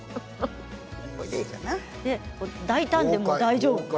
大胆でも大丈夫。